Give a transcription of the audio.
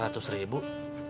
mau arisan di rumah saya